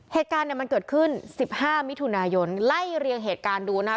เหตุการณ์เนี่ยมันเกิดขึ้น๑๕มิถุนายนไล่เรียงเหตุการณ์ดูนะคะ